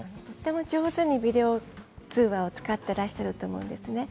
とても上手にビデオ通話を使っていらっしゃると思うんです。